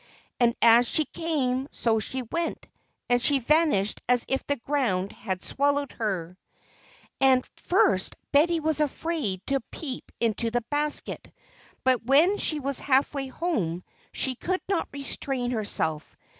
_" And as she came, so she went, and she vanished as if the ground had swallowed her. At first Betty was afraid to peep into the basket, but when she was halfway home, she could not restrain herself.